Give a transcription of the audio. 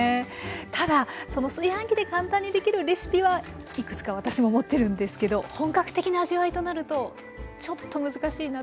ただ炊飯器で簡単に出来るレシピはいくつか私も持ってるんですけど本格的な味わいとなるとちょっと難しいなっていうイメージあります。